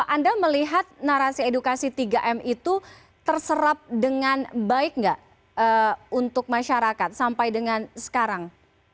anda melihat narasi edukasi tiga m itu terserap dengan baik nggak untuk masyarakat sampai dengan sekarang